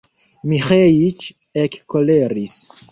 Miĥeiĉ ekkoleris.